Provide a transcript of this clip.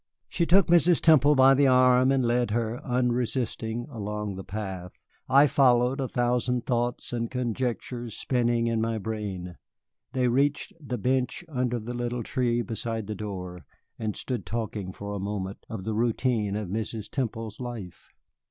She took Mrs. Temple by the arm and led her, unresisting, along the path. I followed, a thousand thoughts and conjectures spinning in my brain. They reached the bench under the little tree beside the door, and stood talking for a moment of the routine of Mrs. Temple's life.